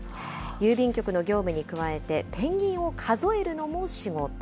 郵便局の業務に加えて、ペンギンを数えるのも仕事。